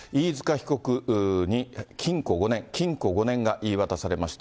被告に禁錮５年、禁錮５年が言い渡されました。